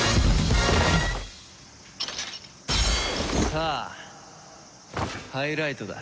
さあハイライトだ。